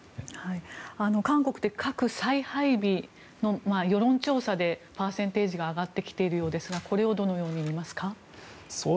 韓国で核再配備が世論調査でパーセンテージが上がってきているようですがこれをどのように見ますか？